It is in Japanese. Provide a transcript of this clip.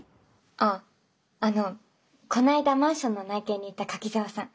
あっあのこの間マンションの内見に行った柿沢さん。